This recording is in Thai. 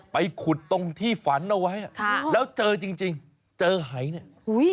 ไปขุดตรงที่ฝันเอาไว้แล้วเจอจริงเจอไหเนี่ย